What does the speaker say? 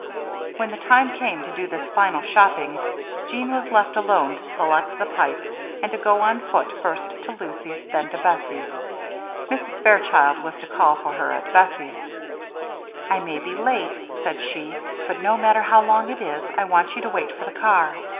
When the time came to do this final shopping, Jeanne was left alone to select the pipe and to go on foot, first to Lucy's, then to Bessie's. Mrs. Fairchild was to call for her at Bessie's. "I may be late," said she, "but no matter how long it is, I want you to wait for the car.